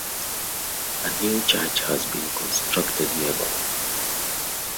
A new church has been constructed nearby.